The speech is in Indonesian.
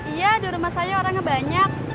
iya di rumah saya orangnya banyak